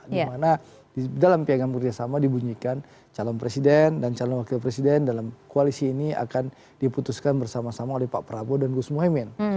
dimana di dalam piagam kerjasama dibunyikan calon presiden dan calon wakil presiden dalam koalisi ini akan diputuskan bersama sama oleh pak prabowo dan gus muhaymin